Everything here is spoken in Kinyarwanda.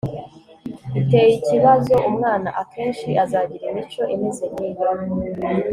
iteye ikibazo umwana akenshi azagira imico imeze nkiyo